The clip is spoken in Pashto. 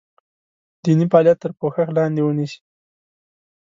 دیني فعالیت تر پوښښ لاندې ونیسي.